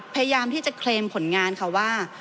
พยายามที่จะเคลมผลงานค่ะว่า